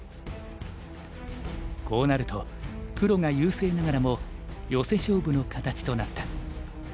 こうなると黒が優勢ながらもヨセ勝負の形となった。